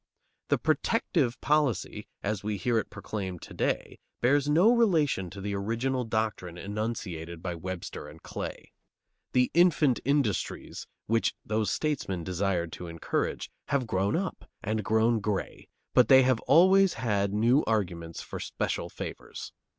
The "protective" policy, as we hear it proclaimed to day, bears no relation to the original doctrine enunciated by Webster and Clay. The "infant industries," which those statesmen desired to encourage, have grown up and grown gray, but they have always had new arguments for special favors.